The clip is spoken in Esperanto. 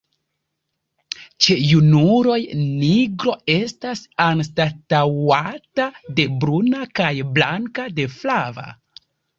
Ĉe junuloj nigro estas anstataŭata de bruna kaj blanka de flava.